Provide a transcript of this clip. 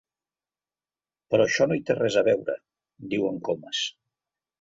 Però això no hi té res a veure —diu el Comas.